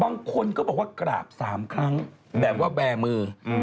บางคนก็บอกว่ากราบ๓ครั้งแบบว่าแบร์มือ